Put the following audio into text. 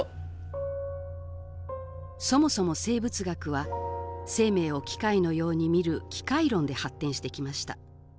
そもそも生物学は生命を機械のように見る「機械論」で発展してきました。